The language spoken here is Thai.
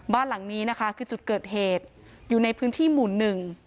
บ้านหลังนี้นะคะคือจุดเกิดเหตุอยู่ในพื้นที่หมู่หนึ่ง